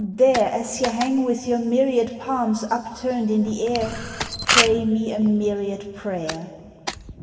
there, ^s ye han<r with your myriad palms upturned in the air, Pray me a myriad prayer.